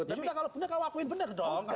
tapi kalau bener kan wakuin bener dong